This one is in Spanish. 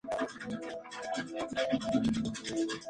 La canción fue escrita por Björk y producida por Mark Bell y ella misma.